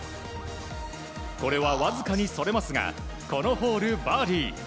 これはわずかにそれますがこのホール、バーディー。